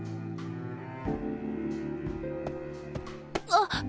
あっ。